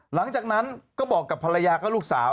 หลังจากนั้นก็บอกกับภรรยากับลูกสาว